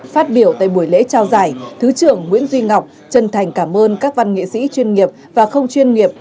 phát biểu tại buổi lễ trao giải thứ trưởng nguyễn duy ngọc chân thành cảm ơn các văn nghệ sĩ chuyên nghiệp và không chuyên nghiệp